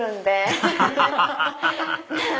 ハハハハハ！